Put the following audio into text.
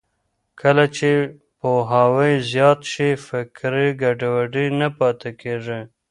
کله چې پوهاوی زیات شي، فکري ګډوډي نه پاتې کېږي.